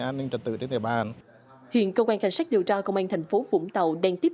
an ninh trật tự trên địa bàn hiện công an khánh sách điều tra công an thành phố vũng tàu đang tiếp